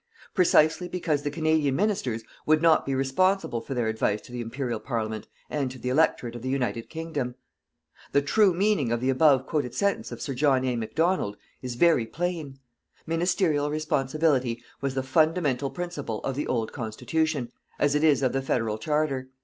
Precisely because the Canadian Ministers would not be responsible for their advice to the Imperial Parliament and to the electorate of the United Kingdom. The true meaning of the above quoted sentence of Sir John A. Macdonald is very plain. Ministerial responsibility was the fundamental principle of the old Constitution, as it is of the Federal Charter.